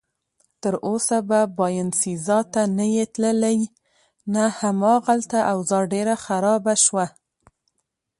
تراوسه به باینسیزا ته نه یې تللی؟ نه، هماغلته اوضاع ډېره خرابه شوه.